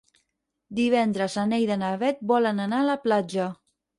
Divendres na Neida i na Bet volen anar a la platja.